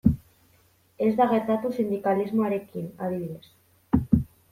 Ez da gertatu sindikalismoarekin, adibidez.